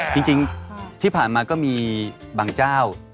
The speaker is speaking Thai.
จริงที่ผ่านมาก็มีบางเจ้า